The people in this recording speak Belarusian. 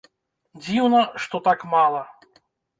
Дзіўна, што так мала.